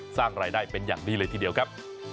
สร้างรายได้เป็นอย่างดีเลยทีเดียวครับ